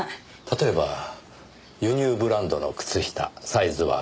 例えば輸入ブランドの靴下サイズは６Ｍ。